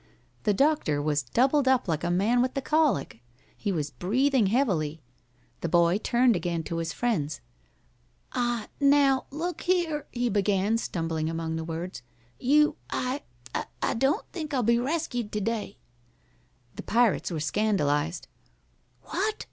The doctor was doubled up like a man with the colic. He was breathing heavily. The boy turned again to his friends. "I now look here," he began, stumbling among the words. "You I I don't think I'll be rescued to day." The pirates were scandalized. "What?"